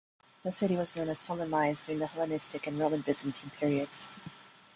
The city was known as "Ptolemais" during the Hellenistic and Roman-Byzantine periods.